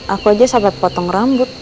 aku aja sampai potong rambut